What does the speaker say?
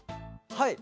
はい。